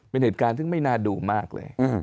เป็นเหตุการณ์ซึ่งไม่น่าดูมากเลย